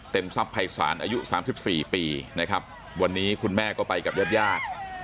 เต็มทรัพย์ภัยศาลอายุสามสิบสี่ปีนะครับวันนี้คุณแม่ก็ไปกับเย็ดยาก